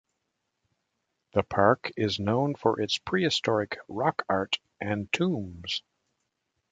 The park is known for its prehistoric rock art and tombs.